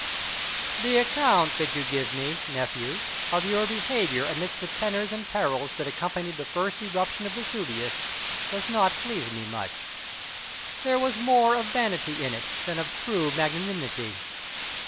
The account that you give me, nephew, of your behaviour amidst the tenors and perils that accompanied the first eruption of Vesuvius does not please me much. There was more of vanity in it than of true magnanimity.